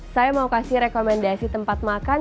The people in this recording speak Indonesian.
saya mau kasih rekomendasi tempat makan